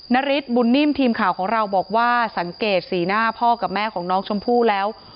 ฤทธิบุญนิ่มทีมข่าวของเราบอกว่าสังเกตสีหน้าพ่อกับแม่ของน้องชมพู่แล้ว